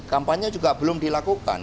kampanye juga belum dilakukan